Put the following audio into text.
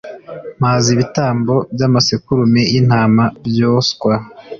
“Mpaze ibitambo by’amasekurume y’intama byoswa